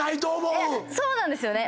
そうなんですよね。